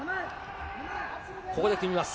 ここで組みます。